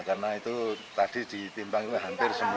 karena itu tadi ditimbang itu hampir sembilan kg